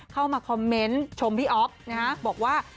เข้ามาคอมเมนต์ชมพี่อ๊อฟนะฮะบอกว่า